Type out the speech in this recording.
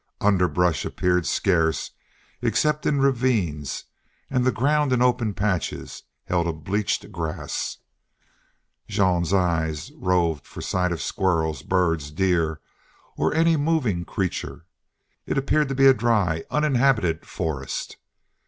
Underbrush appeared scarce except in ravines, and the ground in open patches held a bleached grass. Jean's eye roved for sight of squirrels, birds, deer, or any moving creature. It appeared to be a dry, uninhabited forest.